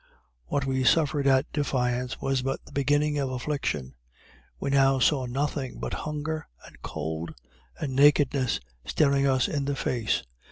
What we suffered at Defiance was but the beginning of affliction. We now saw nothing but hunger, and cold, and nakedness, staring us in the face.